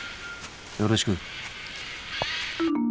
よろしく。